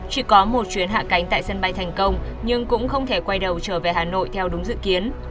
chỉ có một chuyến hạ cánh tại sân bay thành công nhưng cũng không thể quay đầu trở về hà nội theo đúng dự kiến